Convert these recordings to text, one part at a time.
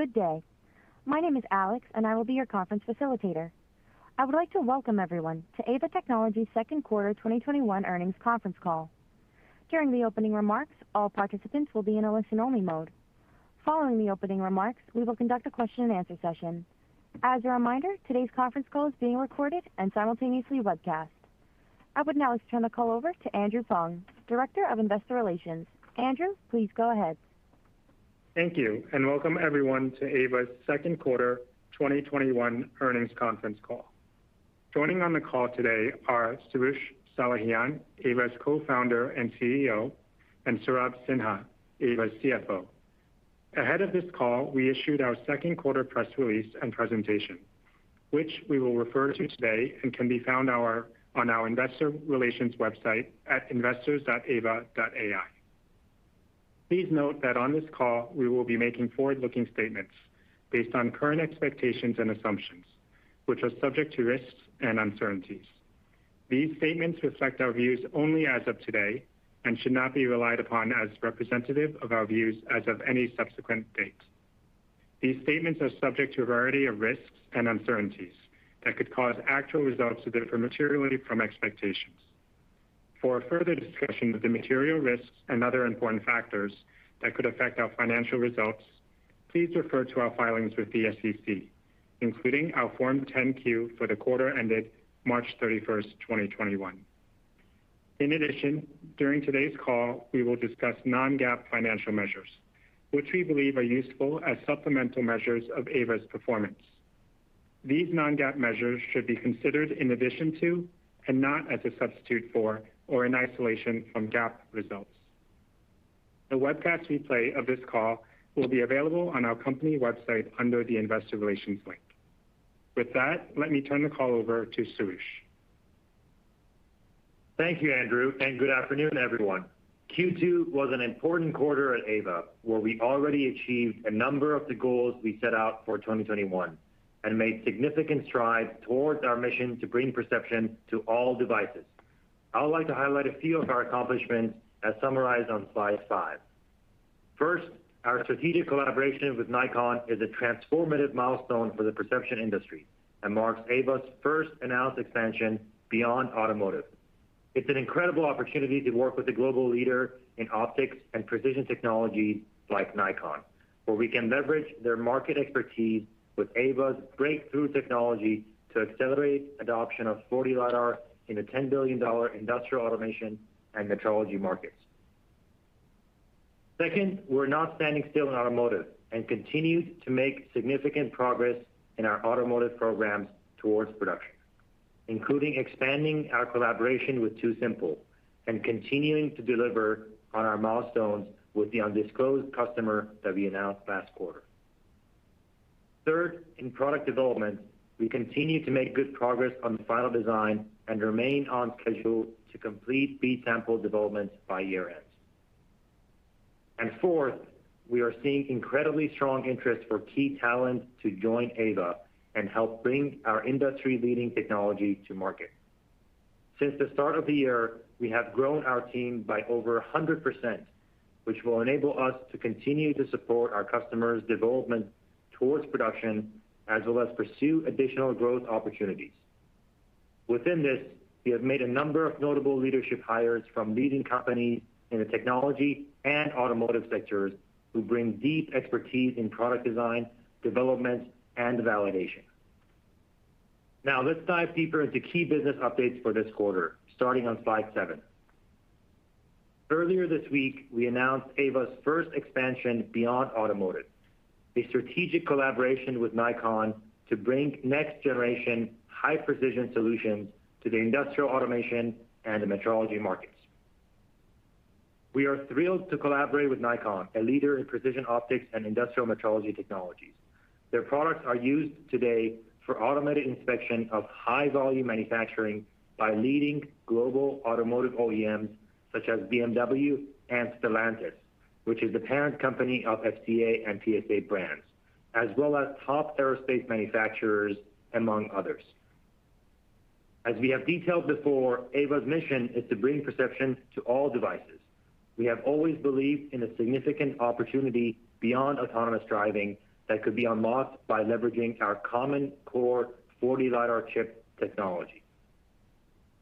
Good day. My name is Alex, and I will be your conference facilitator. I would like to welcome everyone to Aeva Technologies' second quarter 2021 earnings conference call. During the opening remarks, all participants will be in a listen-only mode. Following the opening remarks, we will conduct a question-and-answer session. As a reminder, today's conference call is being recorded and simultaneously webcast. I would now like to turn the call over to Andrew Fung, Director of Investor Relations. Andrew, please go ahead. Thank you. Welcome everyone to Aeva's second quarter 2021 earnings conference call. Joining on the call today are Soroush Salehian, Aeva's Co-Founder and CEO, and Saurabh Sinha, Aeva's CFO. Ahead of this call, we issued our second quarter press release and presentation, which we will refer to today and can be found on our investor relations website at investors.aeva.ai. Please note that on this call, we will be making forward-looking statements based on current expectations and assumptions, which are subject to risks and uncertainties. These statements reflect our views only as of today and should not be relied upon as representative of our views as of any subsequent date. These statements are subject to a variety of risks and uncertainties that could cause actual results to differ materially from expectations. For a further discussion of the material risks and other important factors that could affect our financial results, please refer to our filings with the SEC, including our Form 10-Q for the quarter ended March 31st, 2021. In addition, during today's call, we will discuss non-GAAP financial measures, which we believe are useful as supplemental measures of Aeva's performance. These non-GAAP measures should be considered in addition to, and not as a substitute for or in isolation from GAAP results. The webcast replay of this call will be available on our company website under the investor relations link. With that, let me turn the call over to Soroush. Thank you, Andrew. Good afternoon, everyone. Q2 was an important quarter at Aeva, where we already achieved a number of the goals we set out for 2021 and made significant strides towards our mission to bring perception to all devices. I would like to highlight a few of our accomplishments as summarized on slide five. First, our strategic collaboration with Nikon is a transformative milestone for the perception industry and marks Aeva's first announced expansion beyond automotive. It's an incredible opportunity to work with a global leader in optics and precision technology like Nikon, where we can leverage their market expertise with Aeva's breakthrough technology to accelerate adoption of 4D LiDAR in the $10 billion industrial automation and metrology markets. Second, we're not standing still in automotive and continue to make significant progress in our automotive programs towards production, including expanding our collaboration with TuSimple and continuing to deliver on our milestones with the undisclosed customer that we announced last quarter. Third, in product development, we continue to make good progress on the final design and remain on schedule to complete B-sample development by year-end. Fourth, we are seeing incredibly strong interest for key talent to join Aeva and help bring our industry-leading technology to market. Since the start of the year, we have grown our team by over 100%, which will enable us to continue to support our customers' development towards production, as well as pursue additional growth opportunities. Within this, we have made a number of notable leadership hires from leading companies in the technology and automotive sectors who bring deep expertise in product design, development, and validation. Let's dive deeper into key business updates for this quarter, starting on slide seven. Earlier this week, we announced Aeva's first expansion beyond automotive, a strategic collaboration with Nikon to bring next-generation high-precision solutions to the industrial automation and the metrology markets. We are thrilled to collaborate with Nikon, a leader in precision optics and industrial metrology technologies. Their products are used today for automated inspection of high-volume manufacturing by leading global automotive OEMs such as BMW and Stellantis, which is the parent company of FCA and PSA brands, as well as top aerospace manufacturers, among others. As we have detailed before, Aeva's mission is to bring perception to all devices. We have always believed in a significant opportunity beyond autonomous driving that could be unlocked by leveraging our common core 4D LiDAR chip technology.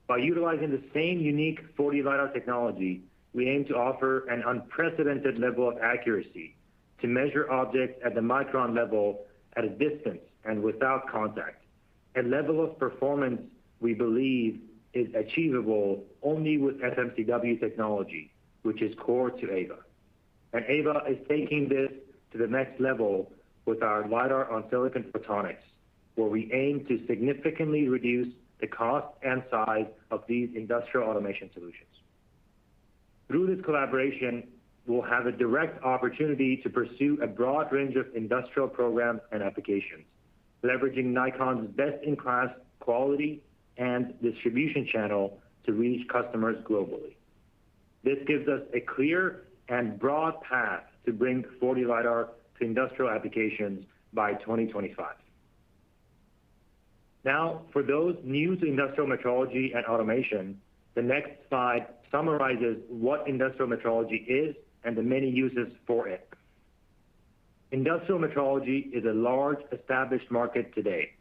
By utilizing the same unique 4D LiDAR technology, we aim to offer an unprecedented level of accuracy to measure objects at the micron level at a distance and without contact. A level of performance we believe is achievable only with FMCW technology, which is core to Aeva. Aeva is taking this to the next level with our LiDAR on silicon photonics, where we aim to significantly reduce the cost and size of these industrial automation solutions. Through this collaboration, we'll have a direct opportunity to pursue a broad range of industrial programs and applications, leveraging Nikon's best-in-class quality and distribution channel to reach customers globally. This gives us a clear and broad path to bring 4D LiDAR to industrial applications by 2025. Now, for those new to industrial metrology and automation, the next slide summarizes what industrial metrology is and the many uses for it. Industrial metrology is a large established market today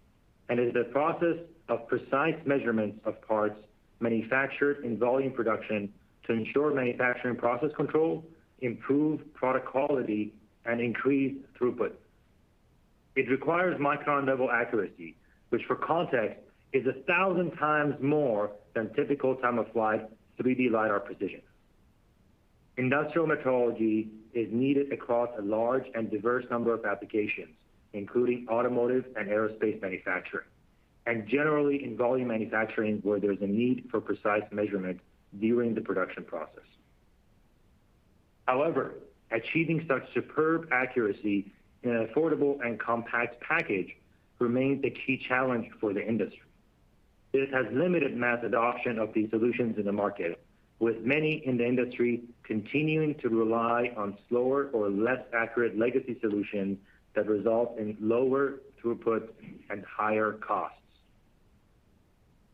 and is the process of precise measurements of parts manufactured in volume production to ensure manufacturing process control, improve product quality, and increase throughput. It requires micron-level accuracy, which for context, is 1,000 times more than typical time-of-flight 3D lidar precision. Industrial metrology is needed across a large and diverse number of applications, including automotive and aerospace manufacturing, and generally in volume manufacturing where there's a need for precise measurement during the production process. However, achieving such superb accuracy in an affordable and compact package remains the key challenge for the industry. It has limited mass adoption of these solutions in the market, with many in the industry continuing to rely on slower or less accurate legacy solutions that result in lower throughput and higher costs.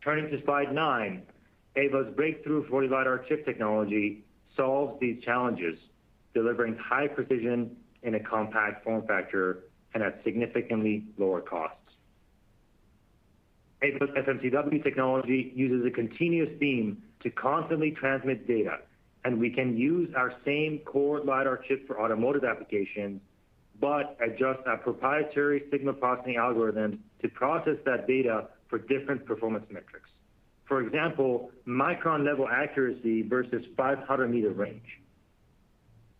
Turning to slide nine, Aeva's breakthrough 4D LiDAR chip technology solves these challenges, delivering high precision in a compact form factor and at significantly lower costs. Aeva's FMCW technology uses a continuous beam to constantly transmit data, and we can use our same core LiDAR chip for automotive applications, but adjust our proprietary signal processing algorithm to process that data for different performance metrics. For example, micron-level accuracy versus 500 m range.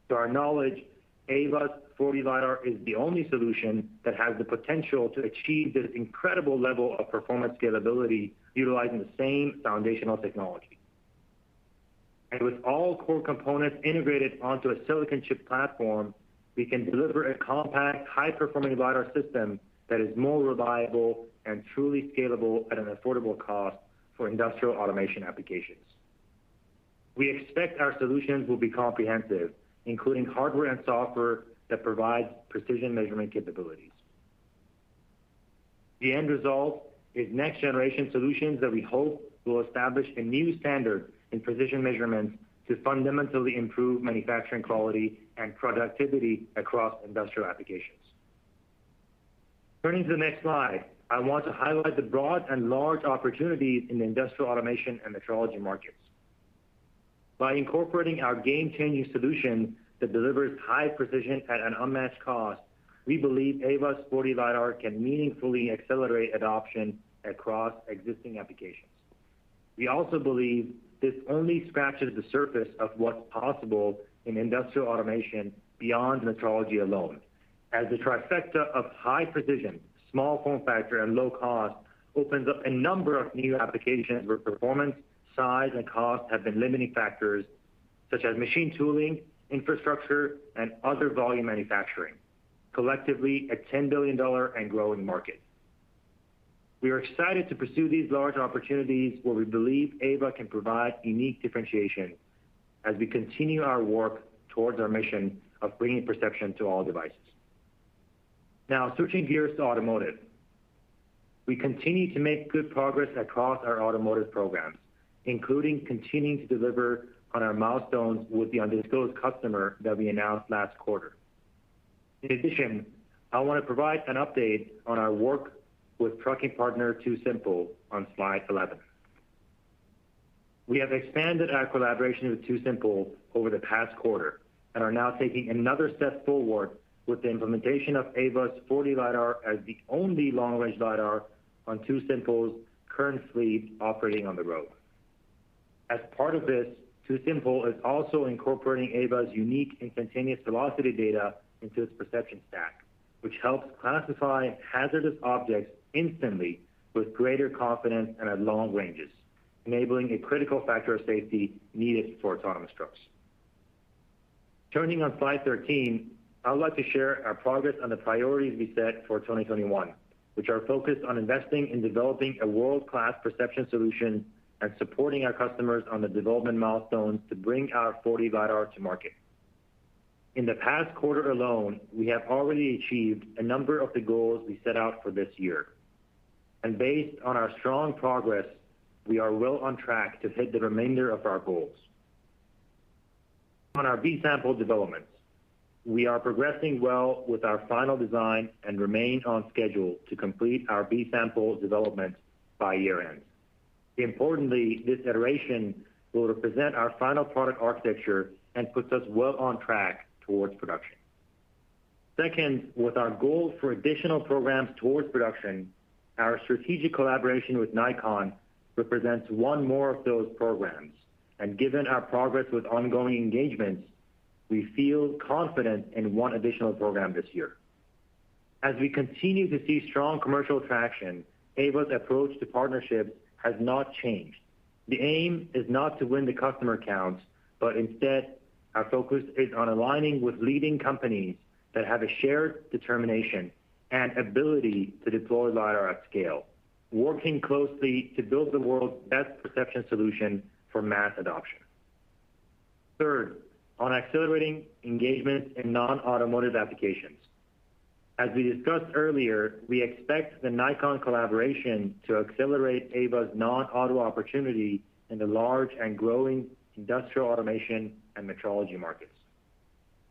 To our knowledge, Aeva's 4D LiDAR is the only solution that has the potential to achieve this incredible level of performance scalability utilizing the same foundational technology. With all core components integrated onto a silicon chip platform, we can deliver a compact, high-performing LiDAR system that is more reliable and truly scalable at an affordable cost for industrial automation applications. We expect our solutions will be comprehensive, including hardware and software that provide precision measurement capabilities. The end result is next-generation solutions that we hope will establish a new standard in precision measurements to fundamentally improve manufacturing quality and productivity across industrial applications. Turning to the next slide, I want to highlight the broad and large opportunities in industrial automation and metrology markets. By incorporating our game-changing solution that delivers high precision at an unmatched cost, we believe Aeva's 4D LiDAR can meaningfully accelerate adoption across existing applications. We also believe this only scratches the surface of what's possible in industrial automation beyond metrology alone. As the trifecta of high precision, small form factor, and low cost opens up a number of new applications where performance, size, and cost have been limiting factors, such as machine tooling, infrastructure, and other volume manufacturing, collectively a $10 billion and growing market. We are excited to pursue these large opportunities where we believe Aeva can provide unique differentiation as we continue our work towards our mission of bringing perception to all devices. Now, switching gears to automotive. We continue to make good progress across our automotive programs, including continuing to deliver on our milestones with the undisclosed customer that we announced last quarter. In addition, I want to provide an update on our work with trucking partner TuSimple on slide 11. We have expanded our collaboration with TuSimple over the past quarter and are now taking another step forward with the implementation of Aeva's 4D LiDAR as the only long-range LiDAR on TuSimple's currently operating on the road. As part of this, TuSimple is also incorporating Aeva's unique instantaneous velocity data into its perception stack, which helps classify hazardous objects instantly with greater confidence and at long ranges, enabling a critical factor of safety needed for autonomous trucks. Turning on slide 13, I would like to share our progress on the priorities we set for 2021, which are focused on investing in developing a world-class perception solution and supporting our customers on the development milestones to bring our 4D LiDAR to market. In the past quarter alone, we have already achieved a number of the goals we set out for this year. Based on our strong progress, we are well on track to hit the remainder of our goals. On our B-sample developments, we are progressing well with our final design and remain on schedule to complete our B-sample development by year-end. Importantly, this iteration will represent our final product architecture and puts us well on track towards production. Second, with our goals for additional programs towards production, our strategic collaboration with Nikon represents one more of those programs. Given our progress with ongoing engagements, we feel confident in one additional program this year. As we continue to see strong commercial traction, Aeva's approach to partnership has not changed. The aim is not to win the customer accounts, but instead, our focus is on aligning with leading companies that have a shared determination and ability to deploy lidar at scale, working closely to build the world's best perception solution for mass adoption. On accelerating engagement in non-automotive applications. As we discussed earlier, we expect the Nikon collaboration to accelerate Aeva's non-auto opportunity in the large and growing industrial automation and metrology markets.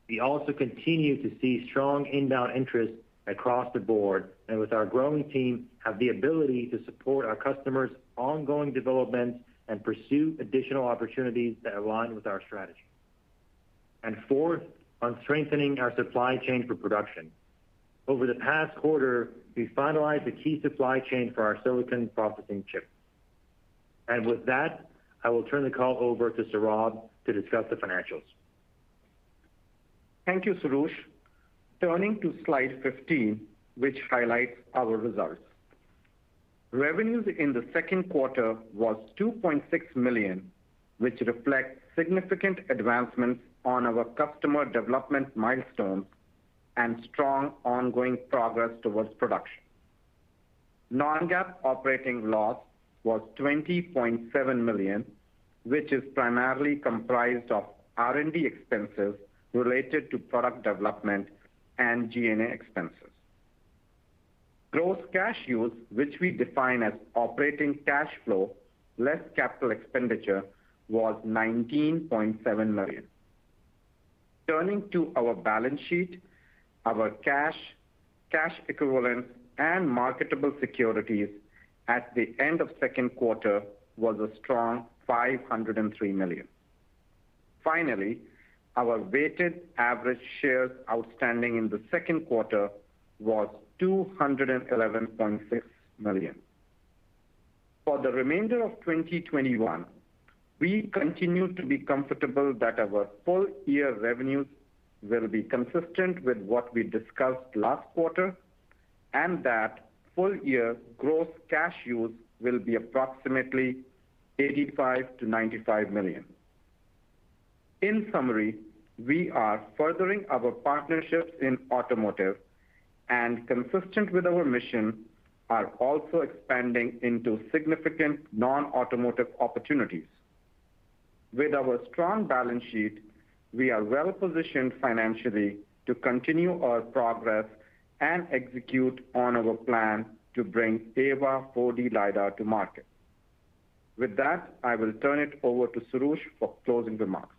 We also continue to see strong inbound interest across the board, and with our growing team, have the ability to support our customers' ongoing developments and pursue additional opportunities that align with our strategy. Fourth, on strengthening our supply chain for production. Over the past quarter, we finalized the key supply chain for our silicon processing chip. With that, I will turn the call over to Saurabh to discuss the financials. Thank you, Soroush. Turning to slide 15, which highlights our results. Revenues in the second quarter was $2.6 million, which reflects significant advancements on our customer development milestones and strong ongoing progress towards production. Non-GAAP operating loss was $20.7 million, which is primarily comprised of R&D expenses related to product development and G&A expenses. Gross cash use, which we define as operating cash flow less capital expenditure, was $19.7 million. Turning to our balance sheet, our cash equivalents, and marketable securities at the end of second quarter was a strong $503 million. Finally, our weighted average shares outstanding in the second quarter was 211.6 million. For the remainder of 2021, we continue to be comfortable that our full year revenues will be consistent with what we discussed last quarter, and that full year gross cash use will be approximately $85 million-$95 million. In summary, we are furthering our partnerships in automotive, and consistent with our mission, are also expanding into significant non-automotive opportunities. With our strong balance sheet, we are well-positioned financially to continue our progress and execute on our plan to bring Aeva 4D LiDAR to market. With that, I will turn it over to Soroush for closing remarks.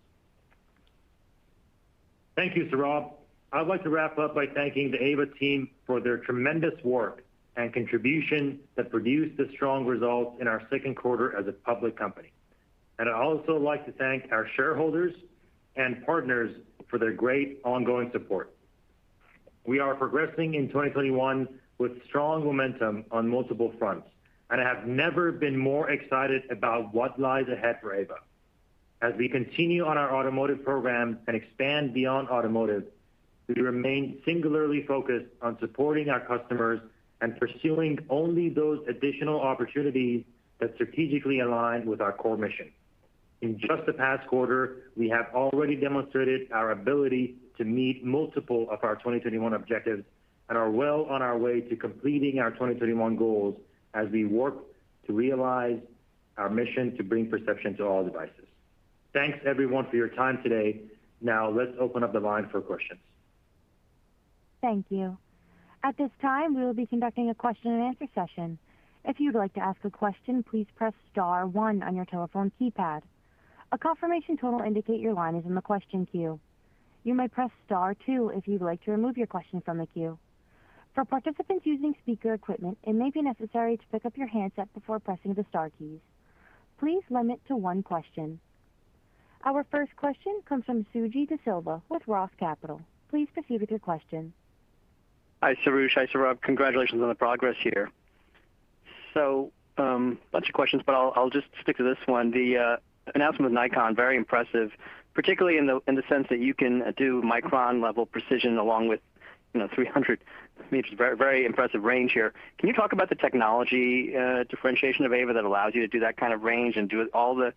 Thank you, Saurabh. I'd like to wrap up by thanking the Aeva team for their tremendous work and contribution that produced the strong results in our second quarter as a public company. I'd also like to thank our shareholders and partners for their great ongoing support. We are progressing in 2021 with strong momentum on multiple fronts and have never been more excited about what lies ahead for Aeva. As we continue on our automotive program and expand beyond automotive, we remain singularly focused on supporting our customers and pursuing only those additional opportunities that strategically align with our core mission. In just the past quarter, we have already demonstrated our ability to meet multiple of our 2021 objectives and are well on our way to completing our 2021 goals as we work to realize our mission to bring perception to all devices. Thanks everyone for your time today. Now, let's open up the line for questions. Thank you. At this time, we will be conducting a question-and-answer session. If you'd like to ask a question, please press star one on your telephone keypad. A confirmation tone will indicate your line is in the question queue. You may press star two if you'd like to remove your question from the queue. For participants using speaker equipment, it may be necessary to pick up your handset before pressing the star keys. Please limit to one question. Our first question comes from Suji Desilva with Roth Capital. Please proceed with your question. Hi, Soroush. Hi, Saurabh. Congratulations on the progress here. Bunch of questions, but I'll just stick to this one. The announcement with Nikon, very impressive, particularly in the sense that you can do micron level precision along with 300 m, very impressive range here. Can you talk about the technology differentiation of Aeva that allows you to do that kind of range and do it all the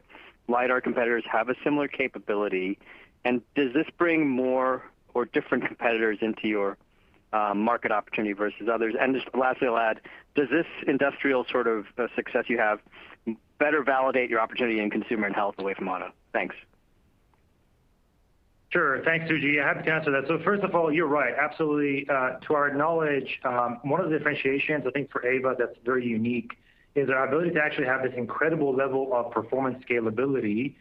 LiDAR competitors have a similar capability? Does this bring more or different competitors into your market opportunity versus others? Just lastly, I'll add, does this industrial sort of success you have better validate your opportunity in consumer and health away from auto? Thanks. Sure. Thanks, Suji. Happy to answer that. First of all, you're right, absolutely. To our knowledge, one of the differentiations, I think for Aeva that's very unique is our ability to actually have this incredible level of performance scalability,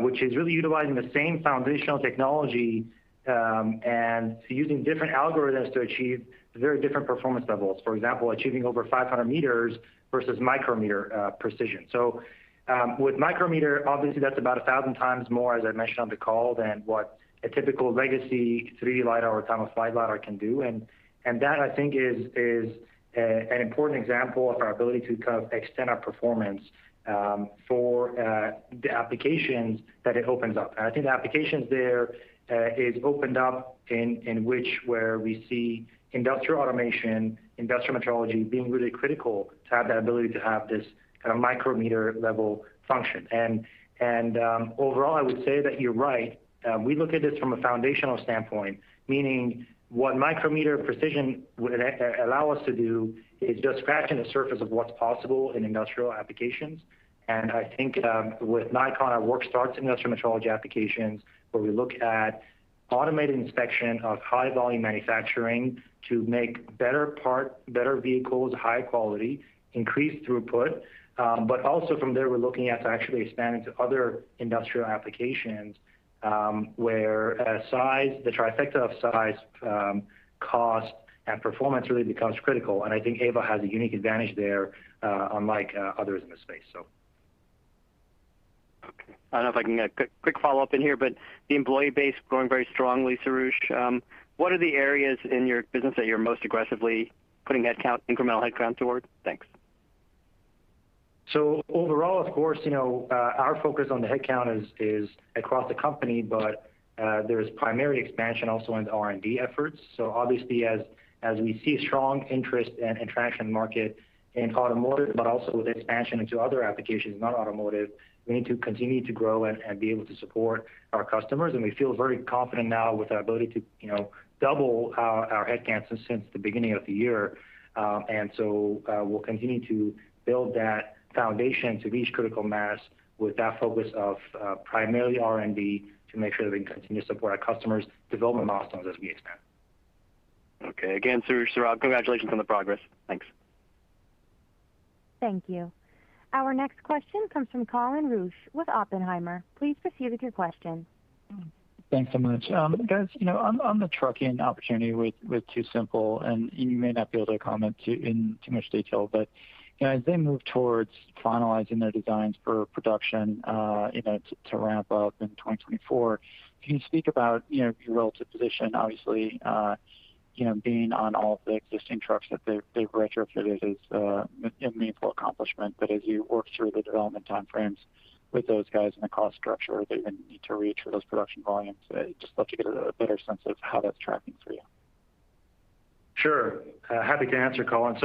which is really utilizing the same foundational technology, and using different algorithms to achieve very different performance levels. For example, achieving over 500 m versus micrometer precision. With micrometer, obviously that's about 1,000 times more, as I mentioned on the call, than what a typical legacy 3D LiDAR or time-of-flight LiDAR can do. That I think is an important example of our ability to kind of extend our performance for the applications that it opens up. I think the applications there is opened up in which we see industrial automation, industrial metrology, being really critical to have that ability to have this kind of micrometer-level function. Overall, I would say that you're right. We look at this from a foundational standpoint, meaning what micrometer precision would allow us to do is just scratching the surface of what's possible in industrial applications. I think, with Nikon, our work starts industrial metrology applications where we look at automated inspection of high-volume manufacturing to make better part, better vehicles, high quality, increased throughput. Also from there, we're looking at to actually expanding to other industrial applications, where the trifecta of size, cost, and performance really becomes critical. I think Aeva has a unique advantage there, unlike others in the space. I don't know if I can get a quick follow-up in here, the employee base growing very strongly, Soroush. What are the areas in your business that you're most aggressively putting incremental headcount towards? Thanks. Overall, of course, our focus on the headcount is across the company, but there is primary expansion also in the R&D efforts. Obviously, as we see strong interest and traction in market in automotive, but also with expansion into other applications, not automotive, we need to continue to grow and be able to support our customers. We feel very confident now with our ability to double our headcounts since the beginning of the year. So, we'll continue to build that foundation to reach critical mass with that focus of primarily R&D to make sure that we can continue to support our customers' development milestones as we expand. Okay. Again, Soroush, Saurabh, congratulations on the progress. Thanks. Thank you. Our next question comes from Colin Rusch with Oppenheimer. Please proceed with your question. Thanks so much. Guys, on the trucking opportunity with TuSimple, and you may not be able to comment in too much detail, but as they move towards finalizing their designs for production to ramp up in 2024, can you speak about your relative position? Obviously, being on all of the existing trucks that they've retrofitted is a meaningful accomplishment. As you work through the development time frames with those guys and the cost structure they're going to need to reach for those production volumes, I'd just love to get a better sense of how that's tracking for you. Sure. Happy to answer, Colin.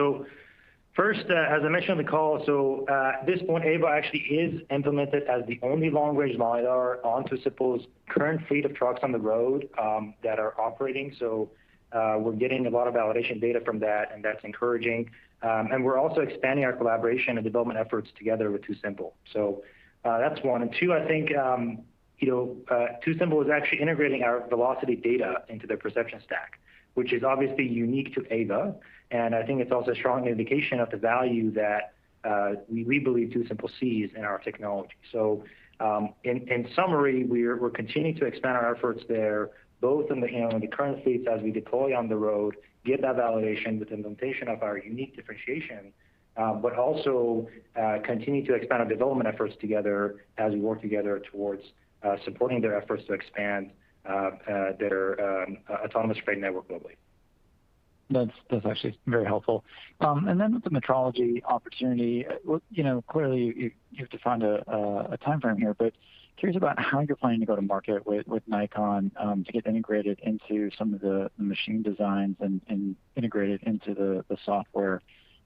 First, as I mentioned on the call, so at this point, Aeva actually is implemented as the only long-range LiDAR on TuSimple's current fleet of trucks on the road that are operating. We're getting a lot of validation data from that, and that's encouraging. We're also expanding our collaboration and development efforts together with TuSimple. That's one. Two, I think TuSimple is actually integrating our velocity data into their perception stack, which is obviously unique to Aeva, and I think it's also a strong indication of the value that we believe TuSimple sees in our technology. In summary, we're continuing to expand our efforts there, both in the current fleets as we deploy on the road, get that validation with implementation of our unique differentiation. Also continue to expand our development efforts together as we work together towards supporting their efforts to expand their autonomous freight network globally. That's actually very helpful. With the metrology opportunity, clearly, you have to find a time frame here, but curious about how you're planning to go to market with Nikon to get integrated into some of the machine designs and integrated into the software,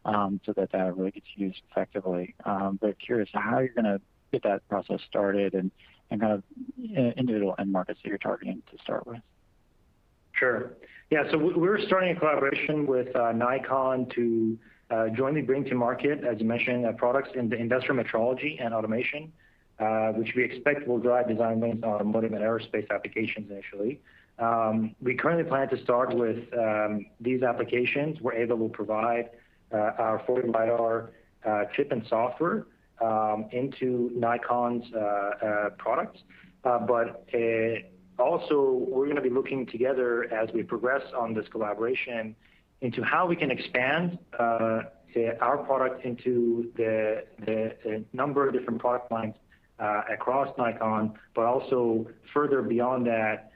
so that really gets used effectively. Curious on how you're going to get that process started and individual end markets that you're targeting to start with. Sure. Yeah, we're starting a collaboration with Nikon to jointly bring to market, as you mentioned, products in the industrial metrology and automation, which we expect will drive design wins on automotive and aerospace applications initially. We currently plan to start with these applications, where Aeva will provide our 4D LiDAR chip and software into Nikon's products. Also, we're going to be looking together as we progress on this collaboration into how we can expand our product into the number of different product lines across Nikon. Also further beyond that,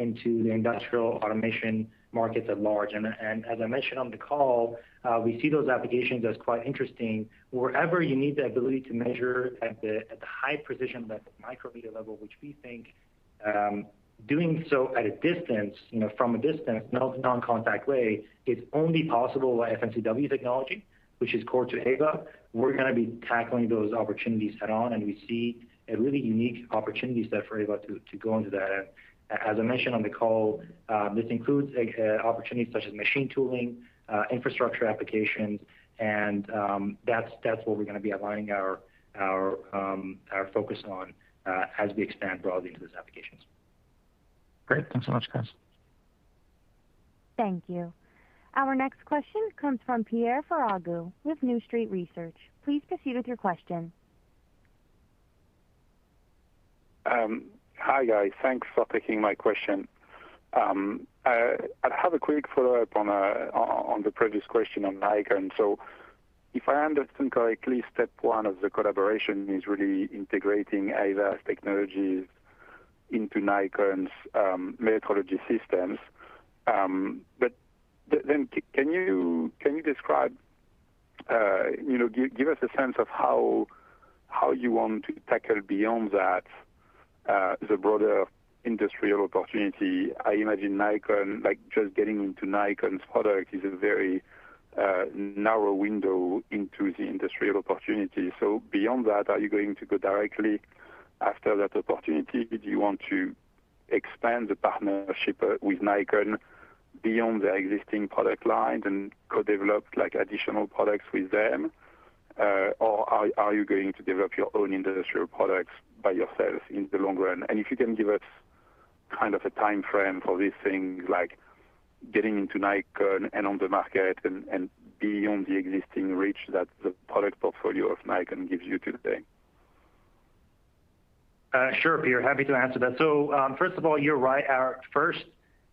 into the industrial automation markets at large. As I mentioned on the call, we see those applications as quite interesting. Wherever you need the ability to measure at the high precision, that micrometer level, which we think doing so at a distance, from a distance, non-contact way, is only possible by FMCW technology, which is core to Aeva. We're going to be tackling those opportunities head on, and we see a really unique opportunity set for Aeva to go into that. As I mentioned on the call, this includes opportunities such as machine tooling, infrastructure applications, and that's what we're going to be aligning our focus on as we expand broadly into those applications. Great. Thanks so much, guys. Thank you. Our next question comes from Pierre Ferragu with New Street Research. Please proceed with your question. Hi, guys. Thanks for taking my question. I have a quick follow-up on the previous question on Nikon. If I understand correctly, step one of the collaboration is really integrating Aeva's technologies into Nikon's metrology systems. Can you describe, give us a sense of how you want to tackle beyond that, the broader industrial opportunity? I imagine just getting into Nikon's product is a very narrow window into the industrial opportunity. Beyond that, are you going to go directly after that opportunity? Do you want to expand the partnership with Nikon beyond their existing product lines and co-develop additional products with them? Are you going to develop your own industrial products by yourself in the long run? If you can give us kind of a time frame for these things, like getting into Nikon and on the market and beyond the existing reach that the product portfolio of Nikon gives you today. Sure, Pierre. Happy to answer that. First of all, you're right. Our first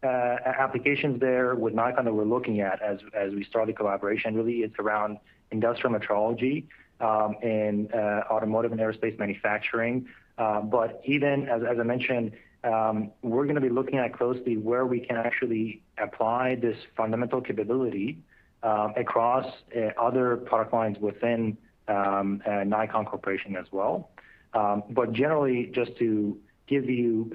applications there with Nikon that we're looking at as we start the collaboration, really it's around industrial metrology, and automotive and aerospace manufacturing. Even as I mentioned, we're going to be looking at closely where we can actually apply this fundamental capability across other product lines within Nikon Corporation as well. Generally, just to give you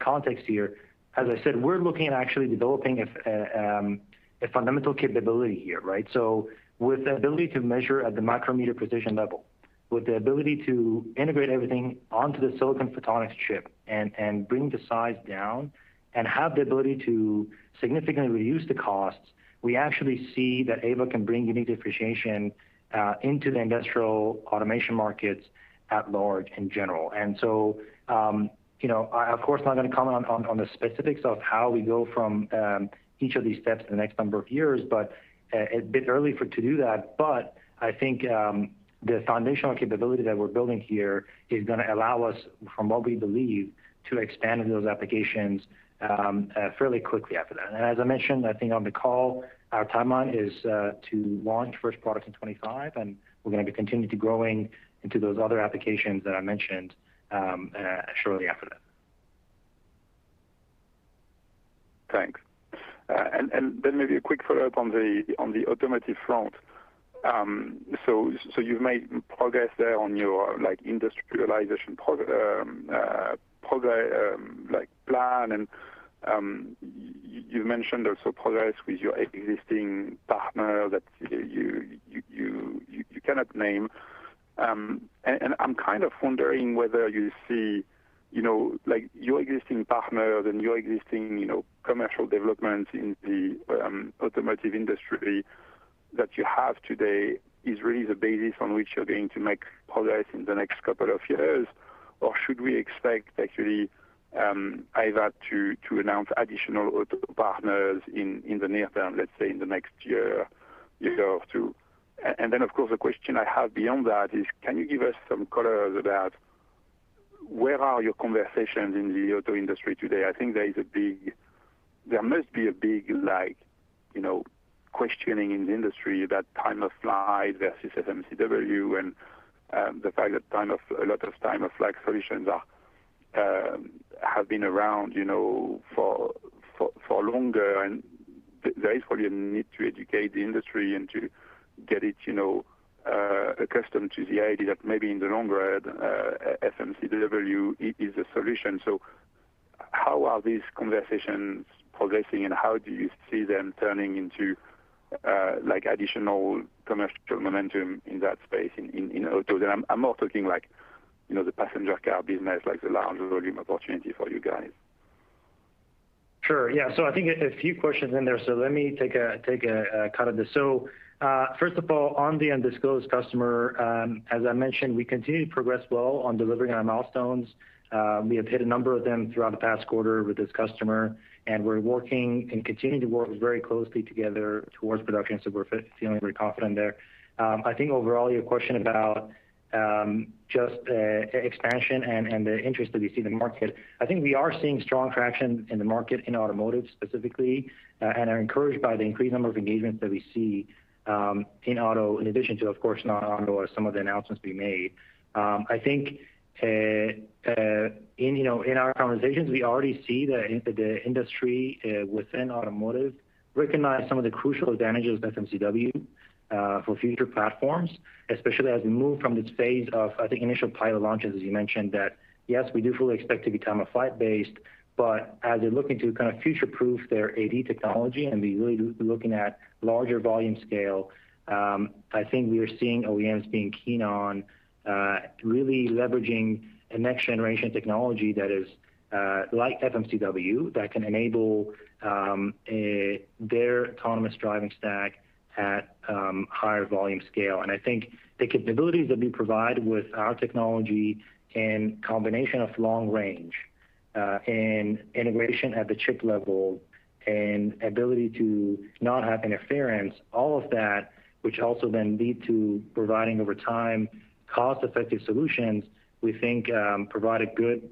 context here, as I said, we're looking at actually developing a fundamental capability here, right? With the ability to measure at the micrometer precision level, with the ability to integrate everything onto the silicon photonics chip and bring the size down, and have the ability to significantly reduce the costs, we actually see that Aeva can bring unique differentiation into the industrial automation markets at large in general. I of course not going to comment on the specifics of how we go from each of these steps in the next number of years, but a bit early to do that. I think the foundational capability that we're building here is going to allow us, from what we believe, to expand into those applications fairly quickly after that. As I mentioned, I think on the call, our timeline is to launch first product in 2025, and we're going to be continuing to growing into those other applications that I mentioned shortly after that. Thanks. Then maybe a quick follow-up on the automotive front. You've made progress there on your industrialization plan, and you've mentioned also progress with your existing partner that you cannot name. I'm kind of wondering whether you see your existing partners and your existing commercial development in the automotive industry that you have today is really the basis on which you're going to make progress in the next couple of years. Or should we expect actually, Aeva to announce additional auto partners in the near term, let's say in the next year or two? Of course, the question I have beyond that is, can you give us some color about where are your conversations in the auto industry today? I think there must be a big questioning in the industry that time-of-flight versus FMCW and the fact that a lot of time-of-flight solutions have been around for longer, and there is probably a need to educate the industry and to get it accustomed to the idea that maybe in the long run, FMCW is a solution. How are these conversations progressing, and how do you see them turning into additional commercial momentum in that space, in auto? I'm more talking the passenger car business, like the large volume opportunity for you guys. Sure. Yeah. I think a few questions in there. Let me take a cut at this. First of all, on the undisclosed customer, as I mentioned, we continue to progress well on delivering our milestones. We have hit a number of them throughout the past quarter with this customer, and we're working and continue to work very closely together towards production. We're feeling very confident there. I think overall, your question about just expansion and the interest that we see in the market. I think we are seeing strong traction in the market, in automotive specifically, and are encouraged by the increased number of engagements that we see in auto, in addition to, of course, North America, some of the announcements we made. I think in our conversations, we already see that the industry within automotive recognize some of the crucial advantages of FMCW for future platforms, especially as we move from this phase of, I think, initial pilot launches, as you mentioned, that yes, we do fully expect to be time-of-flight based. As they look into future-proof their AD technology and be really looking at larger volume scale, I think we are seeing OEMs being keen on really leveraging a next generation technology that is like FMCW that can enable their autonomous driving stack at higher volume scale. I think the capabilities that we provide with our technology and combination of long range, and integration at the chip level, and ability to not have interference, all of that, which also then leads to providing, over time, cost-effective solutions, we think provide a good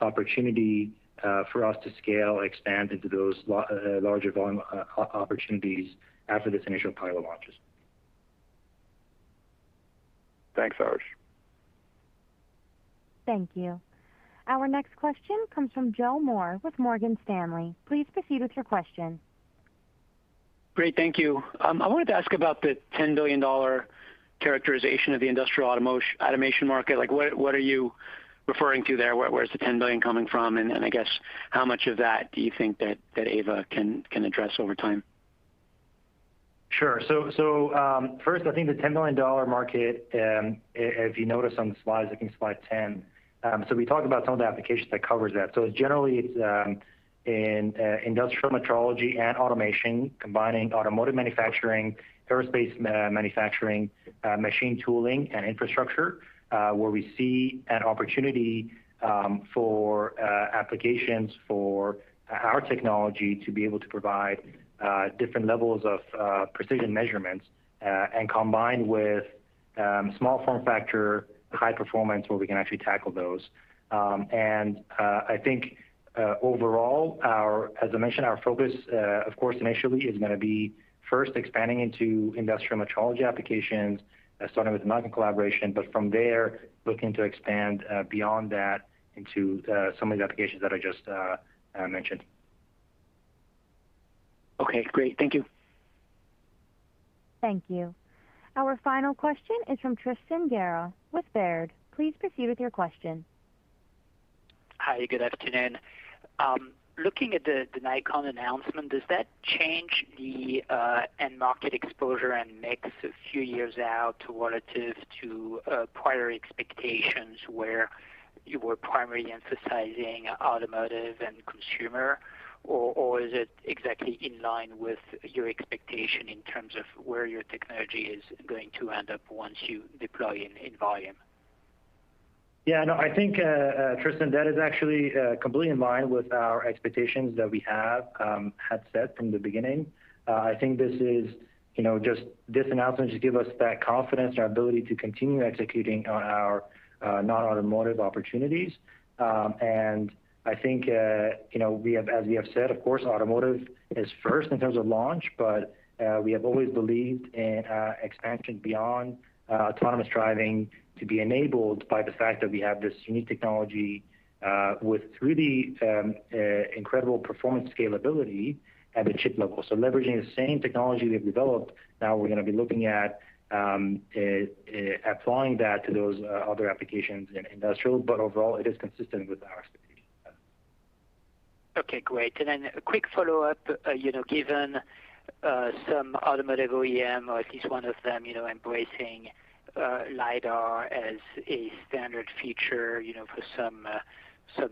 opportunity for us to scale and expand into those larger volume opportunities after this initial pilot launches. Thanks, Soroush. Thank you. Our next question comes from Joe Moore with Morgan Stanley. Please proceed with your question. Great. Thank you. I wanted to ask about the $10 billion characterization of the industrial automation market. What are you referring to there? Where's the $10 billion coming from? I guess, how much of that do you think that Aeva can address over time? Sure. First, I think the $10 billion market, if you notice on the slides, I think slide 10. We talked about some of the applications that covers that. Generally, it's in industrial metrology and automation, combining automotive manufacturing, aerospace manufacturing, machine tooling, and infrastructure, where we see an opportunity for applications for our technology to be able to provide different levels of precision measurements. Combined with small form factor, high performance, where we can actually tackle those. I think overall, as I mentioned, our focus, of course, initially is going to be first expanding into industrial metrology applications, starting with the Nikon collaboration. From there, looking to expand beyond that into some of the applications that I just mentioned. Okay, great. Thank you. Thank you. Our final question is from Tristan Gerra with Baird. Please proceed with your question. Hi, good afternoon. Looking at the Nikon announcement, does that change the end market exposure and mix a few years out relative to prior expectations where you were primarily emphasizing automotive and consumer? Or is it exactly in line with your expectation in terms of where your technology is going to end up once you deploy it in volume? Yeah, no, I think, Tristan, that is actually completely in line with our expectations that we had set from the beginning. I think this announcement should give us that confidence and ability to continue executing on our non-automotive opportunities. I think, as we have said, of course, automotive is first in terms of launch. We have always believed in expansion beyond autonomous driving to be enabled by the fact that we have this unique technology with really incredible performance scalability at the chip level. Leveraging the same technology we've developed, now we're going to be looking at applying that to those other applications in industrial. Overall, it is consistent with our expectations. Okay, great. A quick follow-up. Given some automotive OEM, or at least one of them embracing lidar as a standard feature for some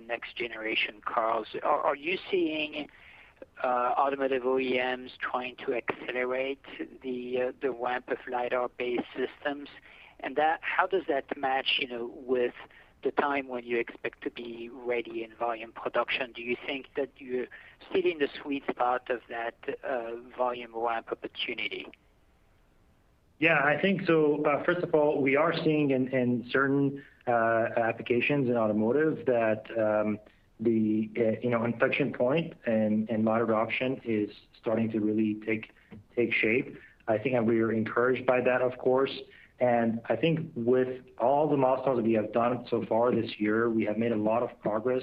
next-generation cars, are you seeing automotive OEMs trying to accelerate the ramp of lidar-based systems? How does that match with the time when you expect to be ready in volume production? Do you think that you're still in the sweet spot of that volume ramp opportunity? I think so. First of all, we are seeing in certain applications in automotive that the inflection point and model adoption is starting to really take shape. I think we are encouraged by that, of course. I think with all the milestones that we have done so far this year, we have made a lot of progress.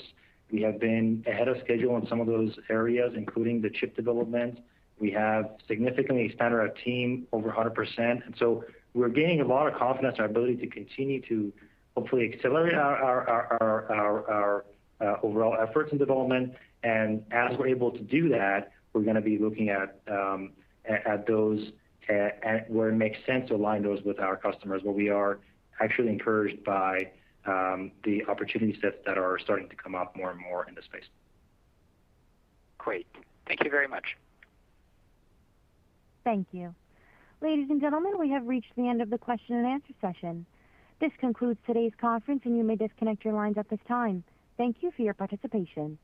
We have been ahead of schedule in some of those areas, including the chip development. We have significantly expanded our team over 100%. So we're gaining a lot of confidence in our ability to continue to hopefully accelerate our overall efforts in development. As we're able to do that, we're going to be looking at where it makes sense to align those with our customers, where we are actually encouraged by the opportunity sets that are starting to come up more and more in the space. Great. Thank you very much. Thank you. Ladies and gentlemen, we have reached the end of the question-and-answer session. This concludes today's conference, and you may disconnect your lines at this time. Thank you for your participation.